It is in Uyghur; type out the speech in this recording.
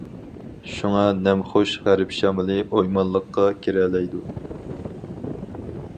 شۇڭا نەمخۇش غەرب شامىلى ئويمانلىققا كىرەلەيدۇ.